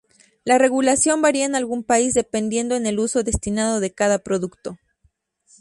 La regulación varía en algún país dependiendo en el uso destinado de cada producto.